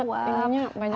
oh banyak banget